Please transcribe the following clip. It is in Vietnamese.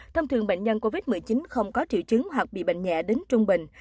thông thường bệnh nhân covid một mươi chín không có triệu chứng hoặc bị bệnh nhẹ đến trung bình